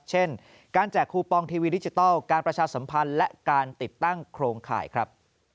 เช่นการแจกคูปองทีวีดิจิทัลการประชาสัมพันธ์และการติดตั้งโครงข่ายครับ